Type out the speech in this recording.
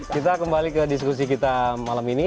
kita kembali ke diskusi kita malam ini